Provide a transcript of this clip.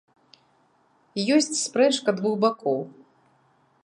Ёсць спрэчка двух бакоў.